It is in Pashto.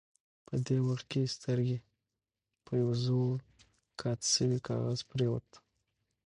په دې وخت کې یې سترګې پر یوه زوړ قات شوي کاغذ پرېوتې.